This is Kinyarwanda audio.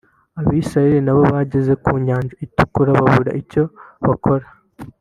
Abisiraeli nabo bageze ku nyanja itukura babura icyo bakora